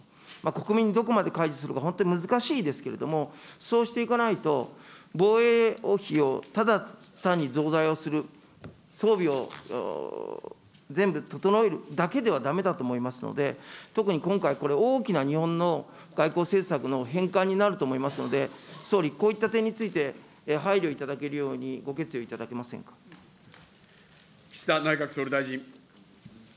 国民にどこまで開示するか、本当に難しいですけれども、そうしていかないと、防衛費をただ単に増大をする、装備を全部整えるだけではだめだと思いますので、特に今回、これ大きな日本の外交政策の転換になると思いますので、総理、こういった点について、配慮いただけるように、ご決意を頂けません岸田内閣総理大臣。